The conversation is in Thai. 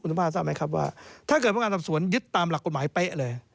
ครูธุ์ภาพร้อมทราบไหมครับว่าถ้าเกิดพระอาการศับสวนยึดตามหลักกฏหมายเป๊ะเลย